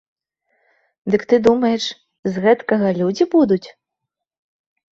Дык ты думаеш, з гэткага людзі будуць?